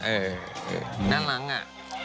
เออน่ารักน่ะ